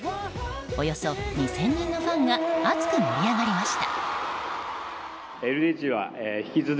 およそ２０００人のファンが熱く盛り上がりました。